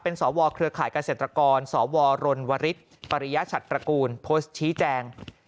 สวเครือข่ายเกษตรกรสวรรณวริสปริยชัดตระกูลโพสต์ชี้แจง